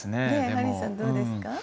ハリーさんどうですか？